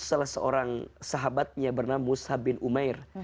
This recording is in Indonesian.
untuk salah seorang sahabatnya bernama musa bin umair